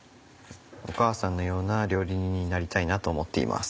お母さんのような料理人になりたいなと思っています。